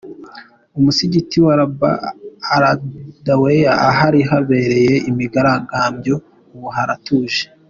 Umusigiti wa Rabaa al-Adaweya ahari habereye imyigaragambyo ubu haratuje.